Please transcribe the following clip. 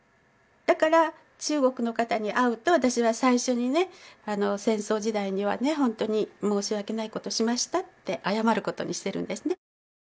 だから中国の方に会うと私は最初にね戦争時代にはね本当に申し訳ないことをしましたって謝ることにしているんですね。